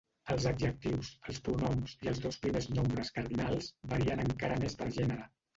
Els adjectius, els pronoms i els dos primers nombres cardinals varien encara més per gènere.